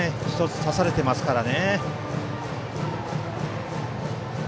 １つ、刺されてますから。